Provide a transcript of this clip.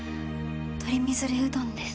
鶏みぞれうどんです。